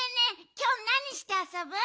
きょうなにしてあそぶ？